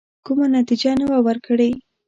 کومه نتیجه نه وه ورکړې.